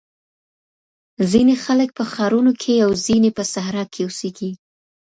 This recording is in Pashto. ځینې خلګ په ښارونو کي او ځینې په صحرا کي اوسېږي.